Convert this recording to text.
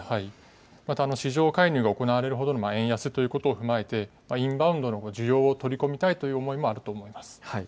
また市場介入が行われるほどの円安ということも踏まえてインバウンドの需要を取り込みたいという思いもあると思います。